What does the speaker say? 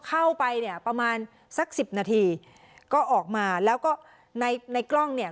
เข้าไปเนี่ยประมาณสักสิบนาทีก็ออกมาแล้วก็ในในกล้องเนี่ย